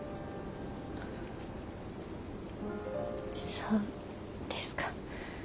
そうですか。